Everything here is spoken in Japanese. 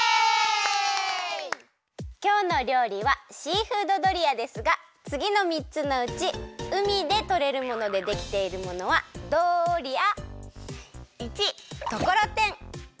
きょうのりょうりはシーフードドリアですがつぎのみっつのうち海でとれるものでできているものはドリア？